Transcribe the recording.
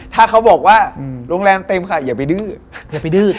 ถ้าเขาบอกว่าโรงแรมเต็มค่ะอย่าไปดื้อ